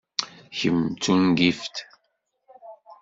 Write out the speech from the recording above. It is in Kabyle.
Kemm d tungift!